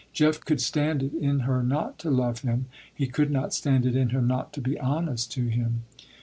Jeff could stand it in her not to love him, he could not stand it in her not to be honest to him.